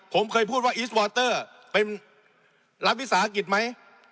ผมเคยพูดว่าอีสวอเตอร์เป็นรัฐวิสาหกิจไหม